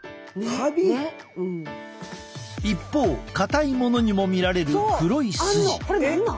一方硬いものにも見られる黒い筋。